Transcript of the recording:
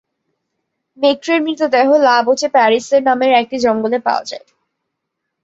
মেক্রের মৃতদেহ La Boche parish নামের একটি জঙ্গলে পাওয়া গেছে।